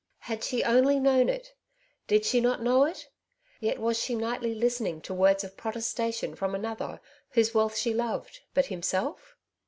Had she onlv known it I Did she not know it ? Yet was she nightly listening to words of protesta tion from another, whose wealth she loved — but himself?